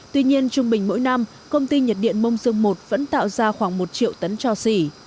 tuy nhiên trung bình mỗi năm công ty nhiệt điện mông dương một vẫn tạo ra khoảng một triệu tấn cho xỉ